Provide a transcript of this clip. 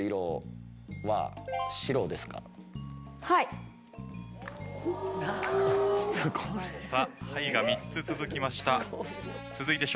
はい。